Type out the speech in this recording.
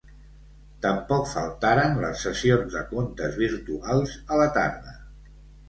Tampoc faltaran les sessions de contes virtuals a la tarda.